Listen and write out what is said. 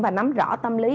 và nắm rõ tâm lý